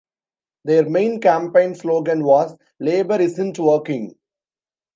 Their main campaign slogan was "Labour Isn't Working".